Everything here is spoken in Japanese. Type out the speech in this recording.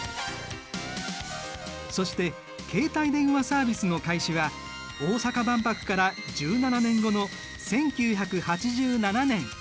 そして携帯電話サービスの開始は大阪万博から１７年後の１９８７年。